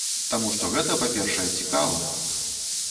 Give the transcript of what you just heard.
Таму што гэта, па-першае, цікава.